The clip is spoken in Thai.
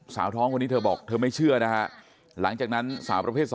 สาวท้องคนนี้เธอบอกเธอไม่เชื่อนะฮะหลังจากนั้นสาวประเภท๒